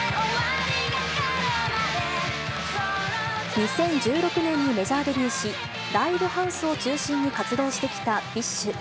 ２０１６年にメジャーデビューし、ライブハウスを中心に活動してきたビッシュ。